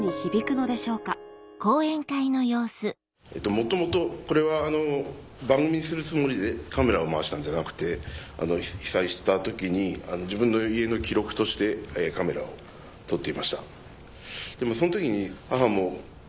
元々これは番組にするつもりでカメラを回したんじゃなくて被災した時に自分の家の記録としてカメラを撮っていました。